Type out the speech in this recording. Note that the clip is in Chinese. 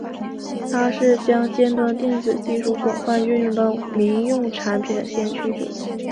他是将尖端电子技术广泛运用到民用产品的先驱者。